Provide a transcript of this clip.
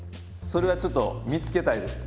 それはちょっと見つけたいです。